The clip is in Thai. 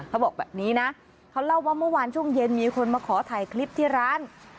เขาบอกแบบนี้นะเขาเล่าว่าเมื่อวานช่วงเย็นมีคนมาขอถ่ายคลิปที่ร้าน